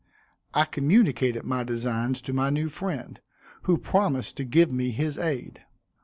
I communicated my designs to my new friend, who promised to give me his aid.